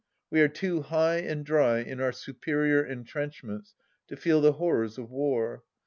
We are too high and dry in our superior entrenchments to feel the horrors of war.